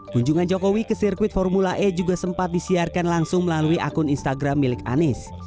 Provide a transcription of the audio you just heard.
kunjungan jokowi ke sirkuit formula e juga sempat disiarkan langsung melalui akun instagram milik anies